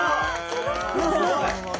すごい！